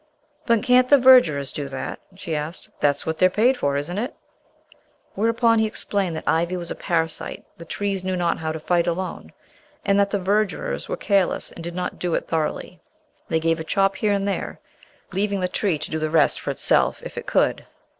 "But can't the verdurers do that?" she asked. "That's what they're paid for, isn't it?" Whereupon he explained that ivy was a parasite the trees knew not how to fight alone, and that the verdurers were careless and did not do it thoroughly. They gave a chop here and there, leaving the tree to do the rest for itself if it could.